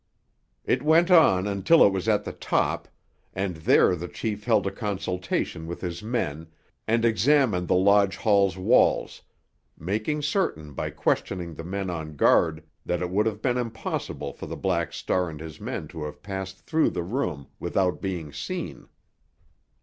It went on until it was at the top, and there the chief held a consultation with his men, and examined the lodge hall's walls, making certain by questioning the men on guard that it would have been impossible for the Black Star and his men to have passed through the room without being seen.